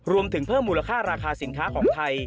รวมถึงเพิ่มมูลค่าราคาสินค้าของไทย